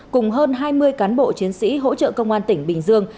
cùng hơn hai mươi cán bộ chiến sĩ hỗ trợ công an tỉnh bình dương